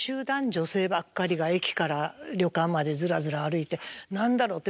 女性ばっかりが駅から旅館までずらずら歩いて何だろう？って